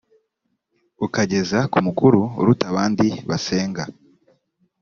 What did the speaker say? ukageza ku mukuru uruta abandi basenga